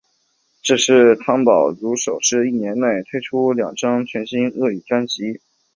这是汤宝如首次一年内推出两张全新粤语专辑。